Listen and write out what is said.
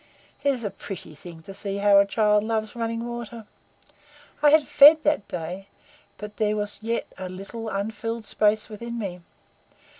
It is a pretty thing to see how a child loves running water. I had fed that day, but there was yet a little unfilled space within me.